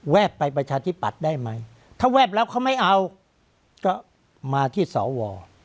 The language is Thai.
ไปประชาธิปัตย์ได้ไหมถ้าแวบแล้วเขาไม่เอาก็มาที่สว